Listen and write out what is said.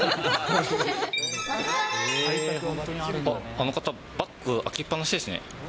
あの方、バッグ、開きっぱなしですね。